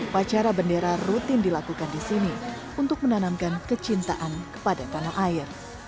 pacara bendera rutin dilakukan di sini untuk menanamkan kecintaan kepada tanah air